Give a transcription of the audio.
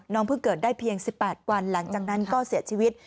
เพิ่งเกิดได้เพียง๑๘วันหลังจากนั้นก็เสียชีวิต